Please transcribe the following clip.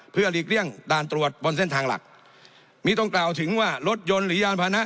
เพื่อหลีกเลี่ยงด่านตรวจบนเส้นทางหลักมีต้องกล่าวถึงว่ารถยนต์หรือยานพานะ